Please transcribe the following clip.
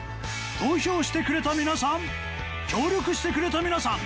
投票してくれた皆さん協力してくれた皆さん